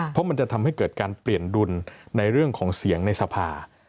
เพราะมันจะทำให้เกิดการเปลี่ยนดุลในเรื่องของเสียงในสภา